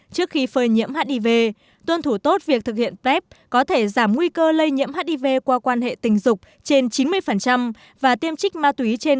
trước khi phơi nhiễm hiv tuân thủ tốt việc thực hiện prep có thể giảm nguy cơ lây nhiễm hiv qua quan hệ tình dục trên chín mươi và tiêm trích ma túy trên